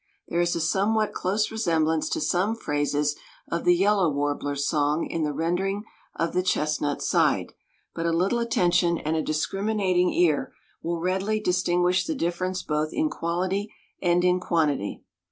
There is a somewhat close resemblance to some phrases of the yellow warbler's song in the rendering of the chestnut side, but a little attention and a discriminating ear will readily distinguish the difference both in quality and in quantity.